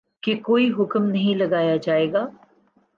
کہ کوئی حکم نہیں لگایا جائے گا